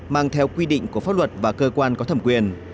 mang theo quy định của pháp luật và cơ quan có thẩm quyền